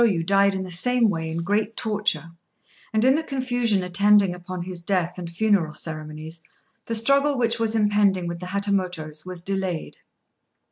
] My Lord Kunaishôyu died in the same way in great torture, and in the confusion attending upon his death and funeral ceremonies the struggle which was impending with the Hatamotos was delayed.